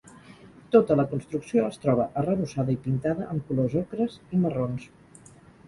Tota la construcció es troba arrebossada i pintada amb colors ocres i marrons.